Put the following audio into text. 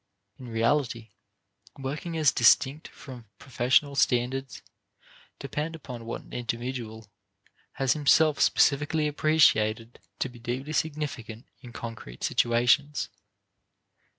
In reality, working as distinct from professed standards depend upon what an individual has himself specifically appreciated to be deeply significant in concrete situations.